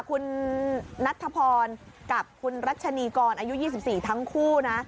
คุณนัทธพรกับคุณรัชนีกรอายุ๒๔ทั้งคู่นะ